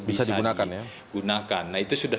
bisa digunakan nah itu sudah